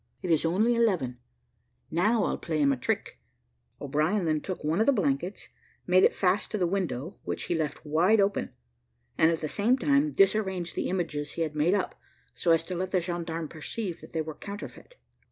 It is only eleven. Now, I'll play him a trick." O'Brien then took one of the blankets, made it fast to the window, which he left wide open, and at the same time dissarranged the images he had made up, so as to let the gendarme perceive that they were counterfeit.